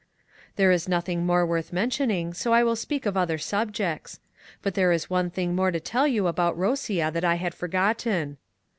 There is nothing" more worth mentioning, so I will speak of other subjects, — but there is one thing more to tell you about Rosia that I had forgotten.